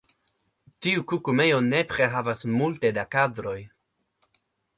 Tiu kukumejo nepre havas multe da kadroj.